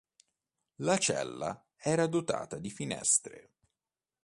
La cella era dotata di finestre.